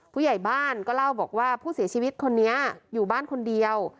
ผู้ใหญ่บ้านก็เล่าบอกว่าผู้เสียชีวิตคนนี้อยู่บ้านคนเดียว